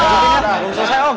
udah selesai om